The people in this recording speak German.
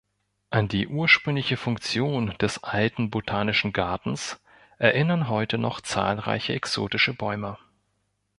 An die ursprüngliche Funktion des Alten Botanischen Gartens erinnern heute noch zahlreiche exotische Bäume.